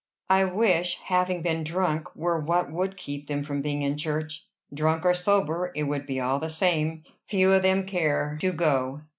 "I wish having been drunk were what would keep them from being in church. Drunk or sober, it would be all the same. Few of them care to go.